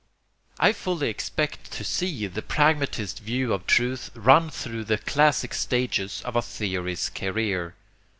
I fully expect to see the pragmatist view of truth run through the classic stages of a theory's career.